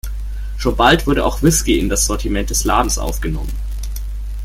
Schon bald wurde auch Whisky in das Sortiment des Ladens aufgenommen.